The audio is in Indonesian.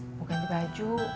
mau ganti baju